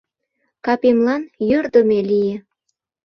Капемлан йӧрдымӧ лие.